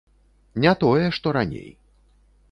Не тое, што раней!